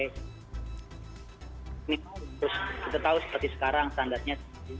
kita tahu seperti sekarang standarnya